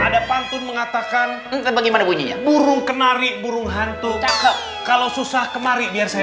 ada pantun mengatakan bagaimana bunyinya burung kenari burung hantu kalau susah kemari biar saya